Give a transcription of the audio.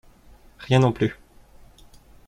Rien non plus